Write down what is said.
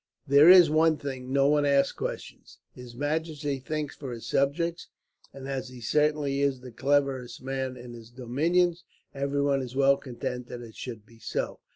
"There is one thing no one asks questions. His majesty thinks for his subjects, and as he certainly is the cleverest man in his dominions, everyone is well content that it should be so.